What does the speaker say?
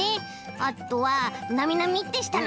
あとはなみなみってしたの。